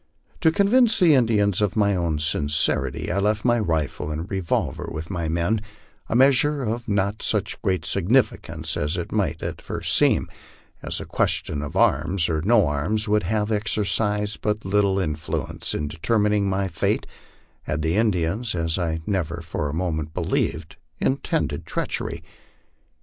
To convince the Indians of my own sincerity, I left my rifle and revolver with my men, a measure of not such great significance as it might at first seem, as the question of arms or no arms would have exercised but little influence in determining my fate had the Indians, as I never for a moment believed, intended treachery.